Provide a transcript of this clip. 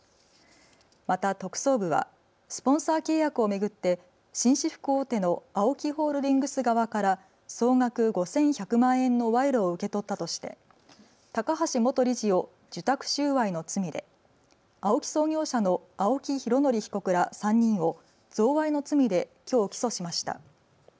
また特捜部はスポンサー契約を巡って紳士服大手のＡＯＫＩホールディングス側から総額５１００万円の賄賂を受け取ったとして高橋元理事を受託収賄の罪で、ＡＯＫＩ創業者の青木拡憲被告ら３人を贈賄の罪できょう起訴しました。